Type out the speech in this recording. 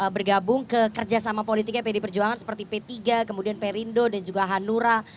bergabung ke kerjasama politiknya pd perjuangan seperti p tiga kemudian perindo dan juga hanura